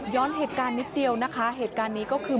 เหตุการณ์นิดเดียวนะคะเหตุการณ์นี้ก็คือ